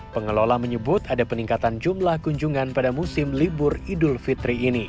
pengelola menyebut ada peningkatan jumlah kunjungan pada musim libur idul fitri ini